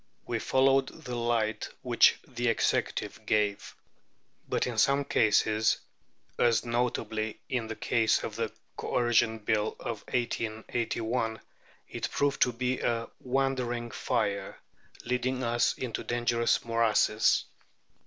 We followed the light which the Executive gave. But in some cases (as notably in the case of the Coercion Bill of 1881) it proved to be a "wandering fire," leading us into dangerous morasses.